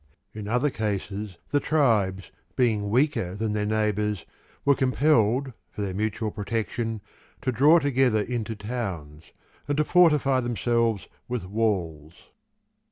In other cases the tribes, being weaker than their neighbours, were compelled for their mutual protection to draw together into towns, and to fortify themselves with walls.